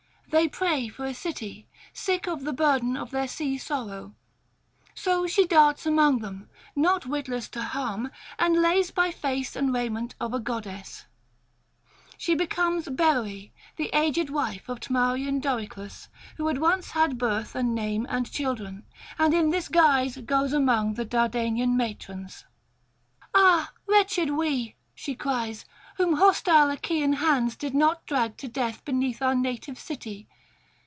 They pray for a city, sick of the burden of their sea sorrow. So she darts among them, not witless to harm, and lays by face and raiment of a goddess: she becomes Beroë, the aged wife of Tmarian Doryclus, who had once had birth and name and children, and in this guise goes among the Dardanian matrons. 'Ah, wretched we,' she cries, 'whom hostile Achaean hands did not drag to death beneath our native city!